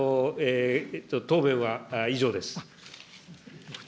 答弁は以上です。